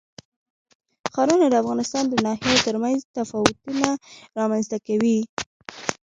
ښارونه د افغانستان د ناحیو ترمنځ تفاوتونه رامنځ ته کوي.